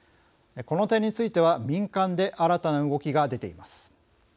この点については民間で新たな動きが出ています。